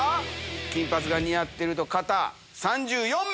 金髪が似合ってる方３４名。